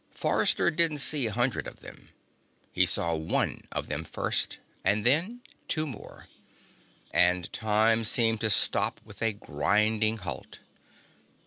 Forrester didn't see a hundred of them. He saw one of them first, and then two more. And time seemed to stop with a grinding halt.